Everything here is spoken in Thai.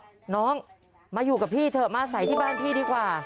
น้องมาอยู่กับพี่เถอะมาใส่ที่บ้านพี่ดีกว่า